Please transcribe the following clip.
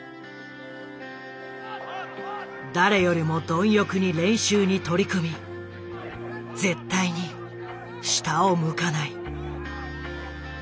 誰よりも貪欲に練習に取り組み絶対に下を向かない。